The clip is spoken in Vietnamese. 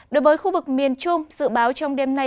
đối với khu vực miền trung dự báo trong đêm nay